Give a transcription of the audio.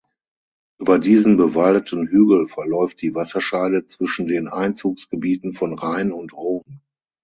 Über diesen bewaldeten Hügel verläuft die Wasserscheide zwischen den Einzugsgebieten von Rhein und Rhone.